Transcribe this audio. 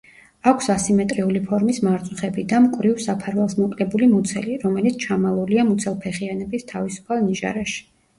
აქვს ასიმეტრიული ფორმის მარწუხები და მკვრივ საფარველს მოკლებული მუცელი, რომელიც ჩამალულია მუცელფეხიანების თავისუფალ ნიჟარაში.